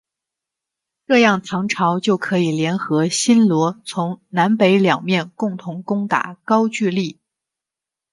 这样唐朝就可以联合新罗从南北两面共同攻打高句丽。